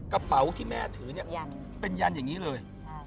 กระเป๋าที่แม่ถือเนี่ยเป็นยันอย่างนี้เลย